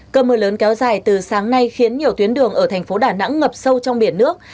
cơ mưa lớn kéo dài từ sáng nay khiến nhiều tuyến đường ở thành phố đà nẵng ngập sâu trong biển nước